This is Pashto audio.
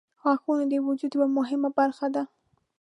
• غاښونه د وجود یوه مهمه برخه ده.